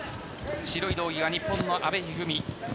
白い道着が日本の阿部一二三。